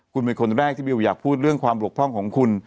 คุณเป็นคนแรกที่บิวอยากพูดเรื่องความบกพร่องของคุณ